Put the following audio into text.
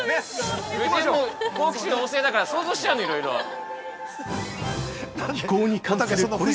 ◆夫人、好奇心旺盛だから、想像しちゃうんだよ、いろいろ。